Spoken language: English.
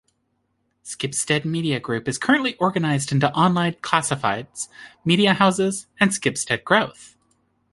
Schibsted Media Group is currently organized into Online Classifieds, media houses and Schibsted Growth.